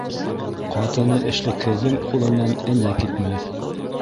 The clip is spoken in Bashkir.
Ҡатыны эшлекһеҙҙең ҡулынан энә китмәҫ.